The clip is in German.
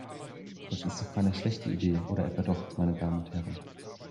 Das ist doch keine schlechte Idee, oder etwa doch, meine Damen und Herren?